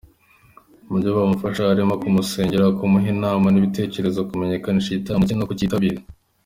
Mu byo bamufashamo harimo; Kumusengera, kumuha inama n’ibitekerezo, kumenyekanisha igitaramo cye no kucyitabira.